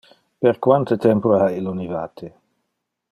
Per quante tempore ha illo nivate?